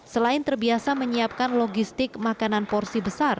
selain terbiasa menyiapkan logistik makanan porsi besar